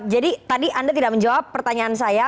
jadi tadi anda tidak menjawab pertanyaan saya